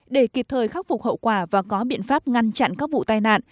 để kịp thời khắc phục hậu quả và có biện pháp ngăn chặn các vụ tai nạn